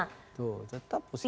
tuh tetap positif